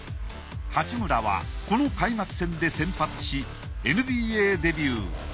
八村はこの開幕戦で先発しＮＢＡデビュー。